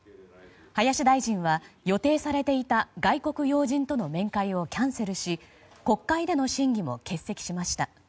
林大臣は予定されていた外国要人との面会をキャンセルし国会での審議も欠席しました。